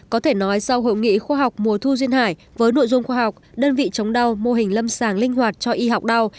có thể nói sau hội nghị khoa học mùa thu duyên hải với nội dung khoa học đơn vị chống đau mô hình lâm sàng linh hoạt cho y học đau